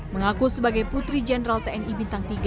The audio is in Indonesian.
mengaku sebagai putri jenderal tni bintang tiga